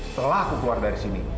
setelah aku keluar dari sini